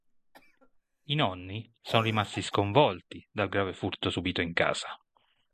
I nonni sono rimasti sconvolti dal grave furto subito in casa.